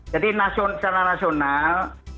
jadi secara nasional